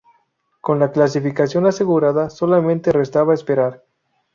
Con la clasificación asegurada, solamente restaba esperar.